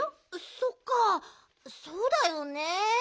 そっかそうだよね。